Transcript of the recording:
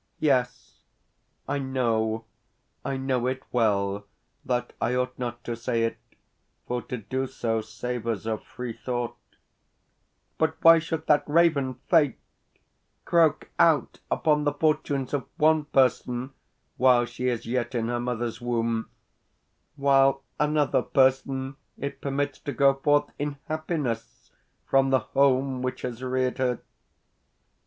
Yes, I know I know it well that I ought not to say it, for to do so savours of free thought; but why should that raven, Fate, croak out upon the fortunes of one person while she is yet in her mother's womb, while another person it permits to go forth in happiness from the home which has reared her?